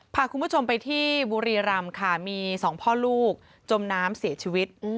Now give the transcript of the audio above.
พาคุณผู้ชมไปที่บุรีรำค่ะมีสองพ่อลูกจมน้ำเสียชีวิต